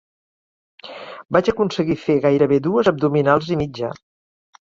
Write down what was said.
Vaig aconseguir fer gairebé dues abdominals i mitja.